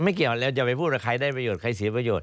เกี่ยวแล้วจะไปพูดว่าใครได้ประโยชน์ใครเสียประโยชน